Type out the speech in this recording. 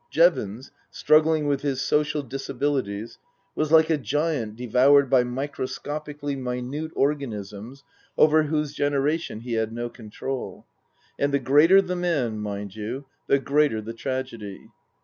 Jevons, struggling with his social disabilities, was like a giant devoured by microscopic ally minute organisms over whose generation he had no control. And the greater the man, mind you, the greater the tragedy.